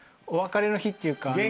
お別れの日っていうか。